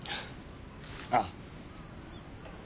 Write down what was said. ああ。